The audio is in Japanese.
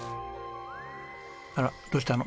あらどうしたの？